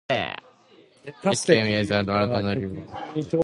This came years after Maradona revealed the news on an Argentine television show.